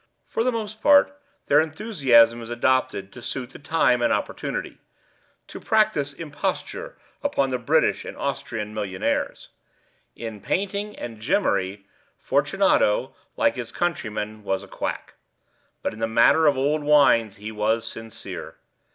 For the most part their enthusiasm is adopted to suit the time and opportunity—to practise imposture upon the British and Austrian millionaires. In painting and gemmary, Fortunato, like his countrymen, was a quack—but in the matter of old wines he was sincere.